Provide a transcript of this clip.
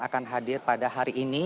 akan hadir pada hari ini